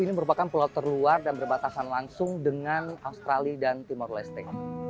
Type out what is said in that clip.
ini merupakan pulau terluar dan berbatasan langsung dengan australia dan timur leste